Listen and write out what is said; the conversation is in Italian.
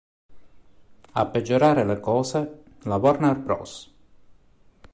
A peggiorare le cose, la Warner Bros.